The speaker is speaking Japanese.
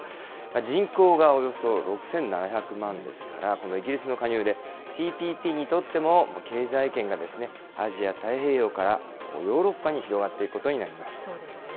人口がおよそ６７００万ですから、このイギリスの加入でＴＰＰにとっても、経済圏がアジア太平洋からヨーロッパに広がっていくことになりまそうですね。